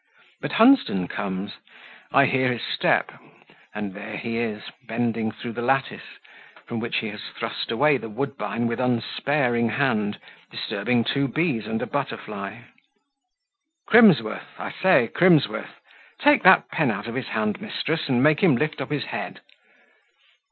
But Hunsden comes; I hear his step, and there he is, bending through the lattice, from which he has thrust away the woodbine with unsparing hand, disturbing two bees and a butterfly. "Crimsworth! I say, Crimsworth! take that pen out of his hand, mistress, and make him lift up his head."